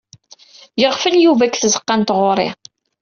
Yeɣfel Yuba deg tzeqqa n tɣuri.